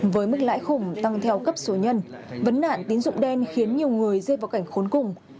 với mức lãi khủng tăng theo cấp số nhân vấn nạn tín dụng đen khiến nhiều người rơi vào cảnh khốn cùng